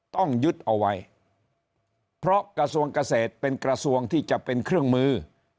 ต้องยึดเอาไว้เพราะกระทรวงเกษตรเป็นกระทรวงที่จะเป็นเครื่องมือ